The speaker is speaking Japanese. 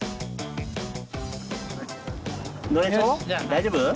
大丈夫？